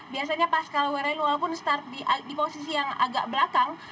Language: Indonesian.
biasanya pascal wery walaupun start di posisi yang agak belakang